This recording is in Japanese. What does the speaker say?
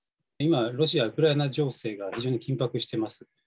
今、ロシア・ウクライナ情勢が非常に緊迫してます。